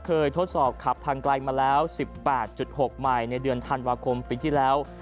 ทดสอบขับทางไกลมาแล้ว๑๘๖ใหม่ในเดือนธันวาคมปีที่แล้ว